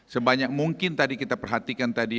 sebanyak mungkin tadi kita perhatikan tadi